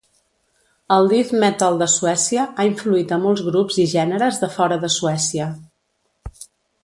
El death metal de Suècia ha influït a molts grups i gèneres de fora de Suècia.